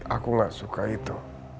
aku nggak suka itu